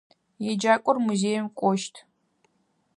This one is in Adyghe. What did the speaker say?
Еджакӏор музеим кӏощт.